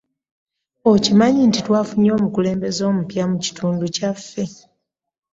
Okimanyi nti twafunye omukulembeze omupya mu kitundu kyaffe.